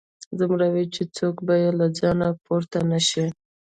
دومره وي چې څوک به يې له ځايه پورته نشي